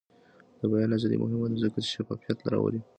د بیان ازادي مهمه ده ځکه چې شفافیت راولي.